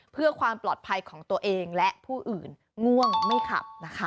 เพื่อความปลอดภัยของตัวเองและผู้อื่นง่วงไม่ขับนะคะ